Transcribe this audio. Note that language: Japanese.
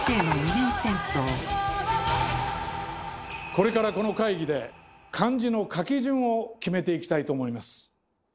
これからこの会議で漢字の書き順を決めていきたいと思います。